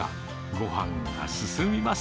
ごはんが進みます。